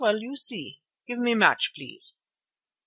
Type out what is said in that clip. Well, you see. Give me match please."